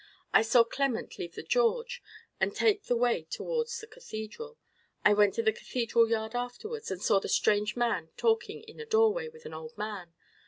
I saw Clement leave the George, and take the way towards the cathedral. I went to the cathedral yard afterwards, and saw the strange man talking in a doorway with an old man.